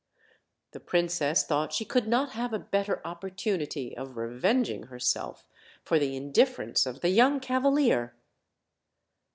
The princess thought she could not have a better op portunity of revenging herself for the indifference of the young cavalier.